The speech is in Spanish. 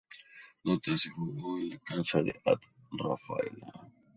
Nota: Se jugó en cancha de At. Rafaela.